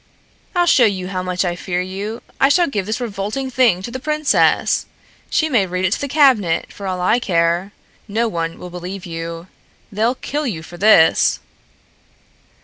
"I'll show you how much I fear you. I shall give this revolting thing to the princess. She may read it to the cabinet, for all I care. No one will believe you. They'll kill you for this!"